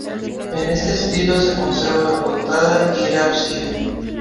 En este estilo se conserva la portada y el ábside.